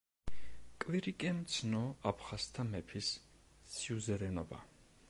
კვირიკემ ცნო აფხაზთა მეფის სიუზერენობა.